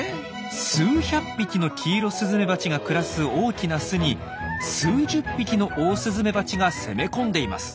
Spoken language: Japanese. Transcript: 数百匹のキイロスズメバチが暮らす大きな巣に数十匹のオオスズメバチが攻め込んでいます。